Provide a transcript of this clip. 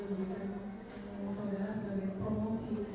saudara sebagai promosi